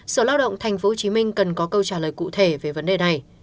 sở lao động tp hcm cần có câu trả lời cụ thể về vấn đề này